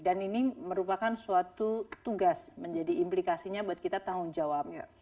dan ini merupakan suatu tugas menjadi implikasinya buat kita tanggung jawab